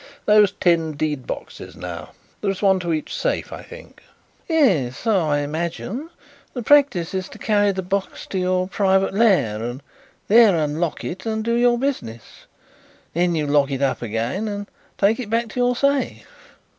Those tin deed boxes now. There is one to each safe, I think?" "Yes, so I imagine. The practice is to carry the box to your private lair and there unlock it and do your business. Then you lock it up again and take it back to your safe."